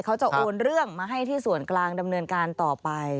เขาจะโอนเรื่องมาให้ที่ส่วนกลางดำเนินการต่อไป